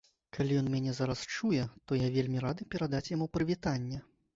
Калі ён мяне зараз чуе, то я вельмі рады перадаць яму прывітанне.